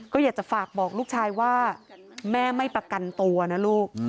ก็อยากจะฝากบอกลูกชายว่าแม่ไม่ประกันตัวนะลูก